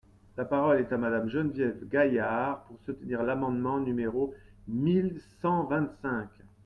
La parole est à Madame Geneviève Gaillard, pour soutenir l’amendement numéro mille cent vingt-cinq.